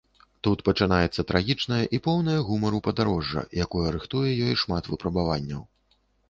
Тут пачынаецца трагічнае і поўнае гумару падарожжа, якое рыхтуе ёй шмат выпрабаванняў.